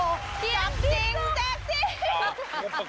โอ้โหสับจริงสับจริง